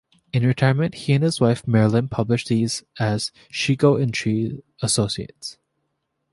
In retirement, he and his wife Marilyn published these as Shigo and Trees, Associates.